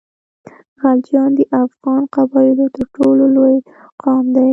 غلجیان د افغان قبایلو تر ټولو لوی قام دی.